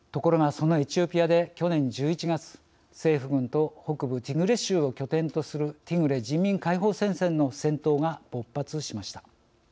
そのエチオピアで去年１１月政府軍と北部ティグレ州を拠点とするティグレ人民解放戦線の戦闘が勃発しました。